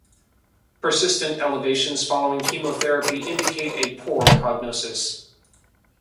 Persistent elevations following chemotherapy indicate a poor prognosis.